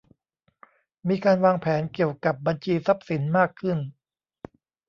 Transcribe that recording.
มีการวางแผนเกี่ยวกับบัญชีทรัพย์สินมากขึ้น